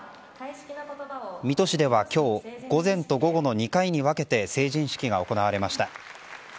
水戸市では今日午前と午後の２回に分けて成人式が行われました。